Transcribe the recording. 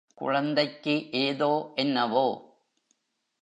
குழந்தைக்கு ஏதோ என்னவோ!